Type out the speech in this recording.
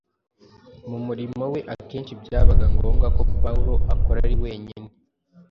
Mu murimo we, akenshi byabaga ngombwa ko Pawulo akora ari wenyine.